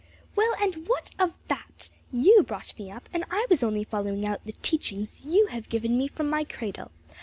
"Well, and what of that! you brought me up, and I was only following out the teachings you have given me from my cradle.